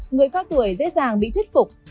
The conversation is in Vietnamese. người cao tuổi dễ dàng bị thuyết phục